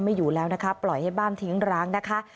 อยู่แล้วนะคะปล่อยให้บ้านทิ้งร้างนะคะ